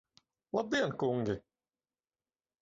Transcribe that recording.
Labdien, kungi!